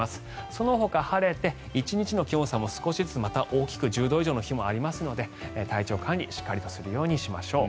そのほか、晴れて１日の気温差も少しずつまた大きく１０度以上の日もありますので体調管理をしっかりとするようにしましょう。